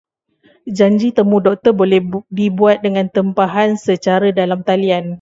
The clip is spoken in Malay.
Janji temu doktor boleh dibuat dengan tempahan secara dalam talian.